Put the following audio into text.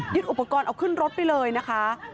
อุปกรณ์เอาขึ้นรถไปเลยนะคะ